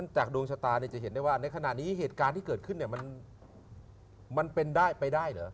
จากดวงชะตาจะเห็นได้ว่าในขณะนี้เหตุการณ์ที่เกิดขึ้นมันเป็นได้ไปได้เหรอ